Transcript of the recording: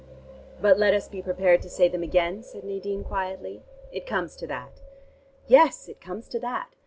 "But let us be prepared to say them again?" said Nadine quietly. "It comes to that." "Yes, it comes to that.